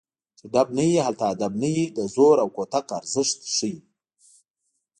چې ډب نه وي هلته ادب نه وي د زور او کوتک ارزښت ښيي